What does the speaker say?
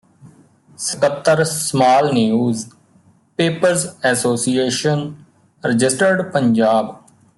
ਸਕੱਤਰ small newspapers ਐਸੋ ਰਜਿ ਪੰਜਾਬ